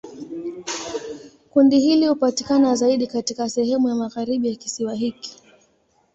Kundi hili hupatikana zaidi katika sehemu ya magharibi ya kisiwa hiki.